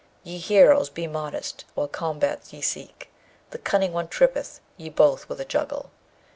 Ye heroes, be modest! while combats ye seek, The cunning one trippeth ye both with a juggle.